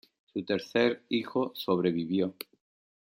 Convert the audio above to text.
Su tercer hijo sobrevivió.